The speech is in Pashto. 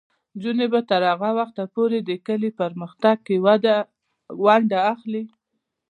نجونې به تر هغه وخته پورې د کلي په پرمختګ کې ونډه اخلي.